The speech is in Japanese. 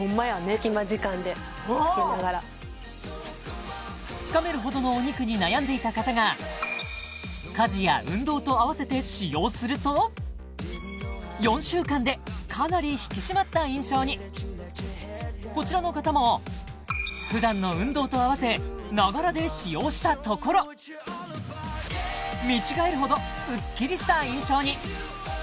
隙間時間で着けながらつかめるほどのお肉に悩んでいた方が家事や運動とあわせて使用すると４週間でかなり引き締まった印象にこちらの方も普段の運動とあわせながらで使用したところ見違えるほどスッキリした印象に！